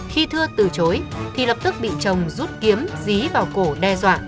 khi thưa từ chối thì lập tức bị chồng rút kiếm dí vào cổ đe dọa